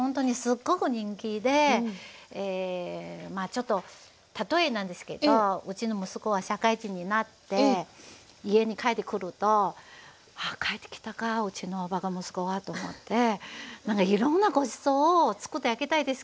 ちょっと例えなんですけどうちの息子が社会人になって家に帰ってくるとああ帰ってきたかうちのばか息子がと思って何かいろんなごちそうをつくってあげたいですけど。